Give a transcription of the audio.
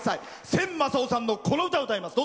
千昌夫さんの、この歌を歌います。